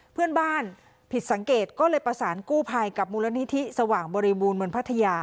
เพื่อนบ้านผิดสังเกตก็เลยประสานกู้ภัยกับมูลนิธิสว่างบริบูรณเมืองพัทยา